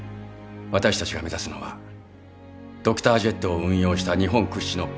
私たちが目指すのはドクタージェットを運用した日本屈指のＰＩＣＵです。